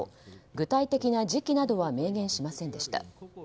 具体的な時期などは明言しませんでした。